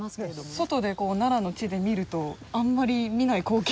外でこう奈良の地で見るとあんまり見ない光景。